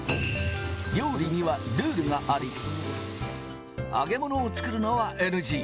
料理にはルールがあり、揚げ物を作るのはＮＧ。